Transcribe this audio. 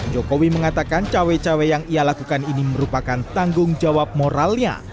jokowi mengatakan cawe cawe yang ia lakukan ini merupakan tanggung jawab moralnya